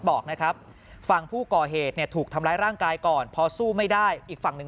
บอกนะครับฝั่งผู้ก่อเหตุเนี่ยถูกทำร้ายร่างกายก่อนพอสู้ไม่ได้อีกฝั่งหนึ่ง